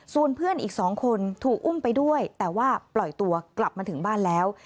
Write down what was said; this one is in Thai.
ส่วนเพื่อนอีก๒คนถูกอุ้มไปด้วยแต่ว่าปล่อยตัวกลับมาถึงบ้านแล้ว